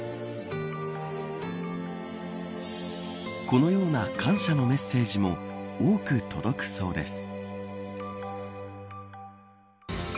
このような感謝のメッセージも多く届くそうです。